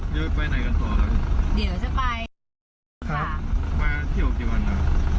เดี๋ยวไปไหนกันต่อครับเดี๋ยวจะไปค่ะมาเที่ยวกี่วันอ่ะ